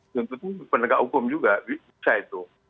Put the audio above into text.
tuntutan penegak hukum juga bisa itu